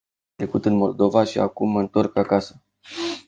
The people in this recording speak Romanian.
Am trecut în Moldova și acum mă întorc acasă.